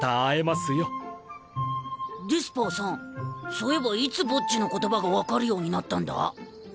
そういえばいつボッジの言葉が分かるようになったんだ？